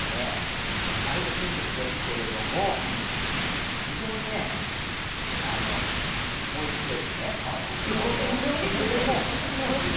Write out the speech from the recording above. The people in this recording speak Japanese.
なると金時ですけれども非常においしくて。